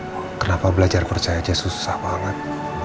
tapi kenapa belajar percaya aja susah banget